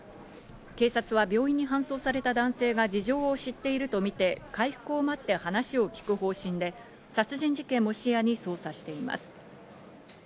警察は病院に搬送された男性が事情を知っていると見て回復を待って話を聞く方針で、殺人事件も視野に捜査しています。